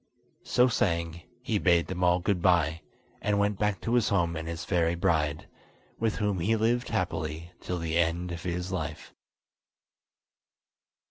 So saying, he bade them all goodbye, and went back to his home and his fairy bride, with whom he lived happily till the end of his life.